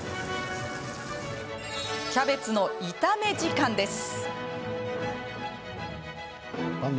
キャベツの炒め時間です。